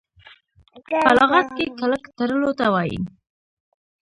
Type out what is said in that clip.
په لغت کي کلک تړلو ته وايي .